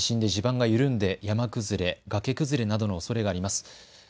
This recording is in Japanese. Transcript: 地震で地盤が緩んで山崩れ、崖崩れなどのおそれもあります。